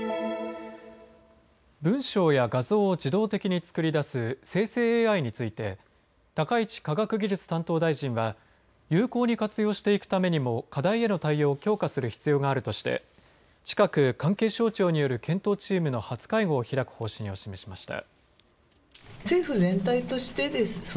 文章や画像を自動的に作り出す生成ＡＩについて高市科学技術担当大臣は有効に活用していくためにも課題への対応を強化する必要があるとして近く関係省庁による検討チームの初会合を開く方針を示しました。